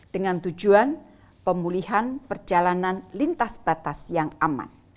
dengan tujuan pemulihan perjalanan lintas batas yang aman